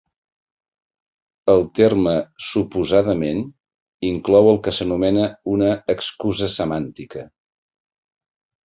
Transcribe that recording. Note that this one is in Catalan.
El terme "suposadament" inclou el que s'anomena una "excusa semàntica".